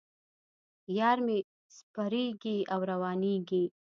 یار مې سپریږي او روانېږي.